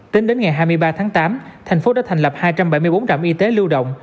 tính đến ngày hai mươi ba tháng tám thành phố đã thành lập hai trăm bảy mươi bốn trạm y tế lưu động